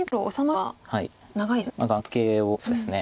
眼形をそうですね。